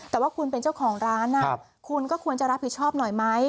แต่ว่าคุณเป็นเจ้าของร้านคุณก็ควรจะรับผิดชอบหน่อยไหม